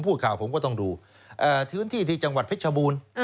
พูดข่าวผมก็ต้องดูพื้นที่ที่จังหวัดเพชรบูรณ์